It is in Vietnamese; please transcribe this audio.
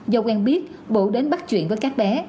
do quen biết bộ đến bắt chuyện với các bé